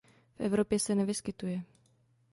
V Evropě se nevyskytuje.